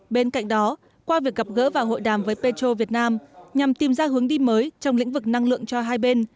bên cạnh đó qua việc gặp gỡ và hội đàm với petro việt nam nhằm tìm ra hướng đi mới trong lĩnh vực năng lượng cho hai bên